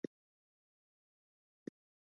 قرقین ولسوالۍ د کوم سیند تر څنګ ده؟